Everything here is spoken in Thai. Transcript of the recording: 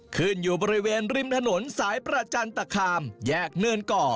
อยู่บริเวณริมถนนสายประจันตคามแยกเนินก่อ